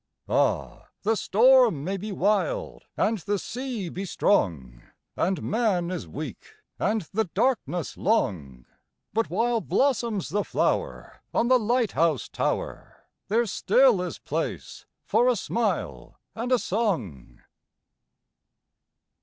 Ah, the storm may be wild and the sea be strong, And man is weak and the darkness long, But while blossoms the flower on the light house tower There still is place for a smile and a song.